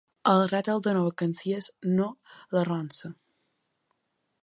El rètol de «No vacancies» no l'arronsa.